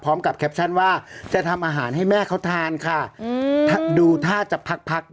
แคปชั่นว่าจะทำอาหารให้แม่เขาทานค่ะดูท่าจะพักพัก